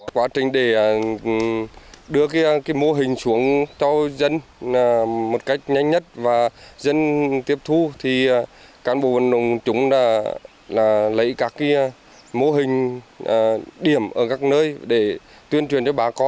quá trình để đưa cái mô hình xuống cho dân một cách nhanh nhất và dân tiếp thu thì cán bộ vận động chúng là lấy các cái mô hình điểm ở các nơi để tuyên truyền cho bà con